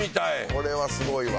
これはすごいわ。